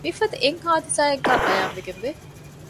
މިފަދަ އެއް ޙާދިޘާއެއްގައި ބަޔާންވެގެންވެ